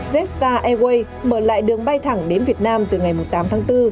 jetstar airways mở lại đường bay thẳng đến việt nam từ ngày tám tháng bốn